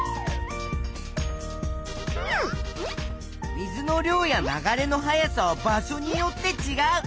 水の量や流れの速さは場所によってちがう。